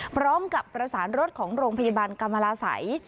พร้อมกับประสานรถของโรงพยาบาลกรรมลาศัย